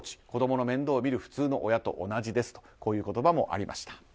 子供の面倒を見る普通の親と同じですこういう言葉もありました。